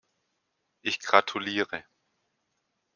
Ich gratuliere!